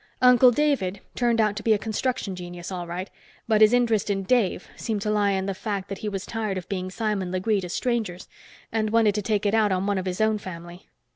Uncle David turned out to be a construction genius, all right, but his interest in Dave seemed to lie in the fact that he was tired of being Simon Legree to strangers and wanted to take it out on one of his own family.